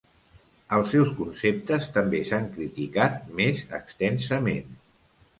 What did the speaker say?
Els seus conceptes també s'han criticat més extensament.